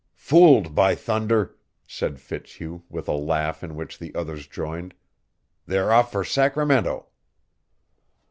"Fooled, by thunder!" said Fitzhugh with a laugh in which the others joined. "They're off for Sacramento."